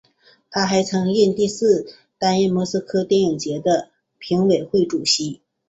他还曾四次担任莫斯科电影节的评委会主席。